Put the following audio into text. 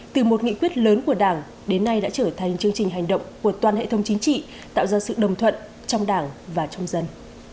từ một nghị quyết lớn của đảng đến nay đã trở thành chương trình hành động của toàn hệ thống chính trị tạo ra sự đồng thuận trong đảng và trong dân